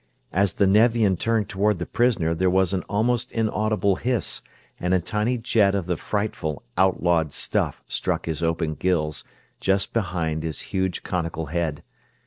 As the Nevian turned toward the prisoner there was an almost inaudible hiss and a tiny jet of the frightful, outlawed stuff struck his open gills, just below his huge, conical head.